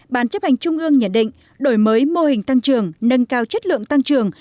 bàn chấp hành trung ương nhận định đổi mới mô hình tăng trường nâng cao chất lượng tăng trường